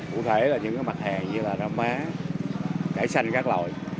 cụ thể là những mặt hàng như là rau má cải xanh các loại